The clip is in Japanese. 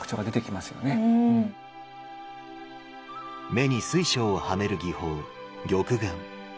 目に水晶をはめる技法「玉眼」。